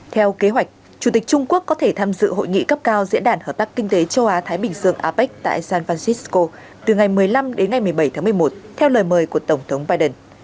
theo kế hoạch chủ tịch trung quốc có thể tham dự hội nghị cấp cao diễn đàn hợp tác kinh tế châu á thái bình dương apec tại san francisco từ ngày một mươi năm đến ngày một mươi bảy tháng một mươi một theo lời mời của tổng thống biden